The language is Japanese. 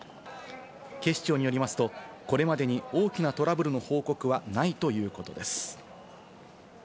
警視庁によりますと、これまでに大きなトラブルの報告はないということです。